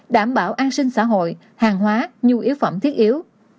đảm bảo an sinh xã hội hàng hóa nhu yếu phẩm thiết yếu